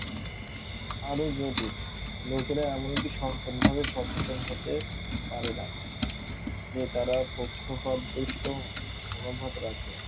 আরও জটিল, লোকেরা এমনকি সচেতনভাবে সচেতন হতে পারে না যে তারা পক্ষপাতদুষ্ট মনোভাব রাখে।